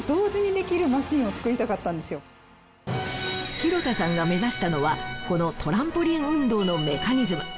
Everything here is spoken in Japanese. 廣田さんが目指したのはこのトランポリン運動のメカニズム。